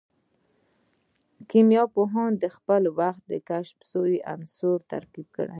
کيميا پوهانو د خپل وخت کشف سوي عنصرونه ترتيب کړل.